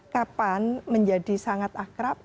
kapan menjadi sangat akrab